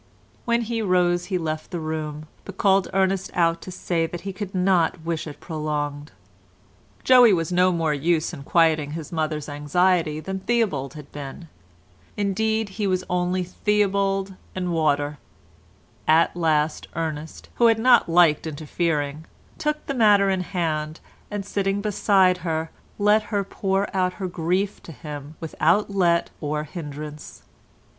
When he rose he left the room, but called Ernest out to say that he could not wish it prolonged. Joey was no more use in quieting his mother's anxiety than Theobald had been—indeed he was only Theobald and water; at last Ernest, who had not liked interfering, took the matter in hand, and, sitting beside her, let her pour out her grief to him without let or hindrance.